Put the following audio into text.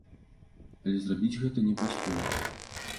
Але зрабіць гэта не паспеў.